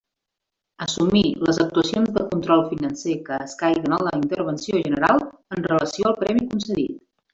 Assumir les actuacions de control financer que escaiguen a la Intervenció General en relació al premi concedit.